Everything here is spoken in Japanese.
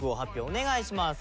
お願いします。